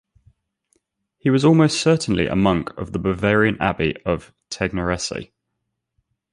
He was almost certainly a monk of the Bavarian abbey of Tegernsee.